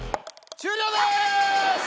終了です！